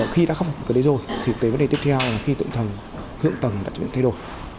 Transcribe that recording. khi đã không có cái đấy rồi thì tới vấn đề tiếp theo là khi thượng tầng đã thay đổi